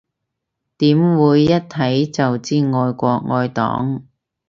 點會，一睇就知愛國愛黨